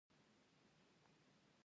ایا ستاسو درملنه به وړیا نه وي؟